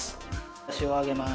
足を上げます。